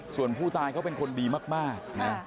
ส่วนผู้ตายเขาเป็นคนดีมากนะ